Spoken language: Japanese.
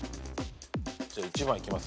じゃあ１番いきます？